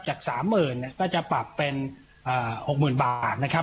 จาก๓๐๐๐ก็จะปรับเป็น๖๐๐๐บาทนะครับ